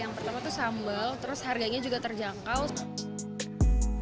yang pertama itu sambel terus harganya juga terjangkau